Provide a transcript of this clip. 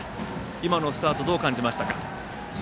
今のスタートどう感じましたか。